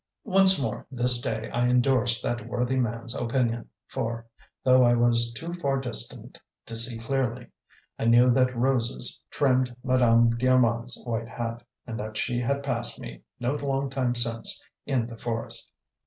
Once more this day I indorsed that worthy man's opinion, for, though I was too far distant to see clearly, I knew that roses trimmed Madame d'Armand's white hat, and that she had passed me, no long time since, in the forest.